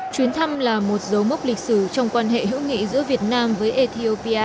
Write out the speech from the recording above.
chuyến thăm là một dấu mốc lịch sử trong quan hệ hữu nghị giữa việt nam với ethiopia và ai cập